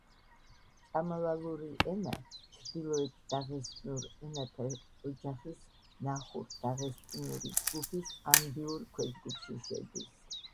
ჭამალალური ენა ჩრდილოეთ დაღესტნურ ენათა ოჯახის ნახურ-დაღესტნური ჯგუფის ანდიურ ქვეჯგუფში შედის.